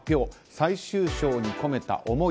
最終章に込めた思い。